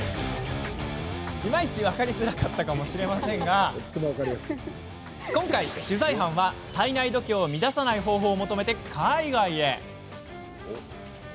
いまいち分かりづらかったかもしれませんが今回、取材班は体内時計を乱さない方法を求めて海外へ。